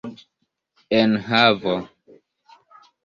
enhavo